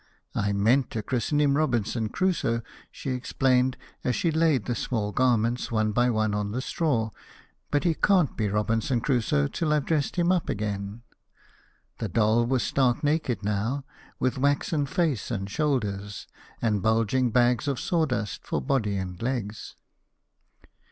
"I meant to christen him Robinson Crusoe," she explained, as she laid the small garments, one by one, on the straw; "but he can't be Robinson Crusoe till I've dressed him up again." The doll was stark naked now, with waxen face and shoulders, and bulging bags of sawdust for body and legs.